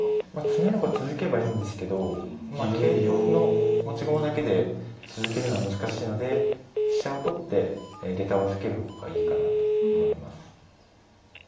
詰めろが続けばいいんですけど桂と歩の持ち駒だけで続けるのは難しいので飛車を取ってげたを預ける方がいいかなと思います。